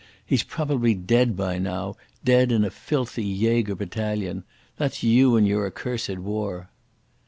He is probably dead by now, dead in a filthy jaeger battalion. That's you and your accursed war."